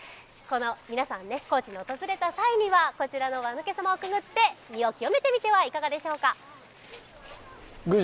皆さん、高知に訪れた際にはこちらの輪抜け様をくぐって身を清めてみてはいかがでしょうか。